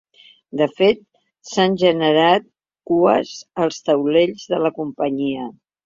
De fet, s’han generat cues als taulells de la companyia.